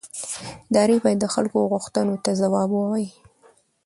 ادارې باید د خلکو غوښتنو ځواب ووایي